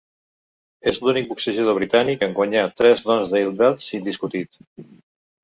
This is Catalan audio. És l'únic boxejador britànic en guanyar tres Lonsdale Belts indiscutit.